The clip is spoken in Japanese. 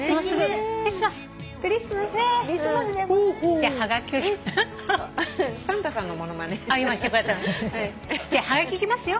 じゃはがきいきますよ。